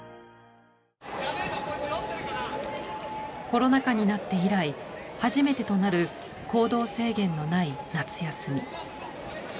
コロナ禍になって以来初めてとなる行動制限のない夏休み。